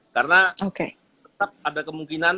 karena tetap ada kemungkinan